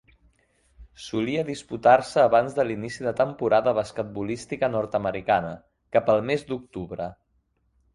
Solia disputar-se abans de l'inici de la temporada basquetbolística nord-americana, cap al mes d'octubre.